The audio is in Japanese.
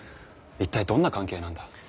一体どんな関係なんだ？